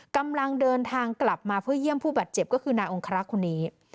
กำลังเดินทางกลับมาเพื่อเยี่ยมผู้บาดเจ็บก็คือนายองครักษ์คนนี้